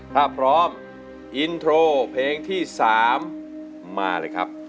ถ้าพร้อมอินโทรเพลงที่๓มาเลยครับ